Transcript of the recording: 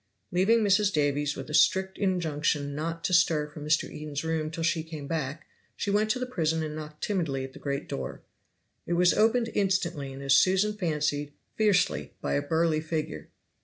Leaving Mrs. Davies with a strict injunction not to stir from Mr. Eden's room till she came back, she went to the prison and knocked timidly at the great door. It was opened instantly, and as Susan fancied, fiercely, by a burly figure.